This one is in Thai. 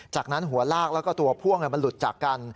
จากนั้นหัวลากแล้วก็ตัวพ่วงมันหลุดจากกัน